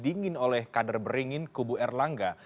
dingin oleh kader beringin kubu erlangga